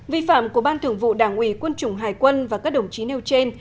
vi phạm của ban thường vụ đảng ủy quân chủng hải quân và các đồng chí nêu trên